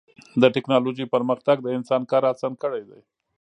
د ټکنالوجۍ پرمختګ د انسان کار اسان کړی دی.